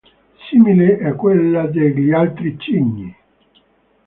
Simile a quella degli altri cigni.